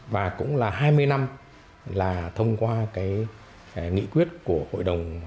và cũng là hai mươi năm là thông qua cái nghị quyết của hội đồng